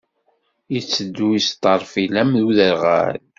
Yetteddu yesdeṛfil am uderɣal.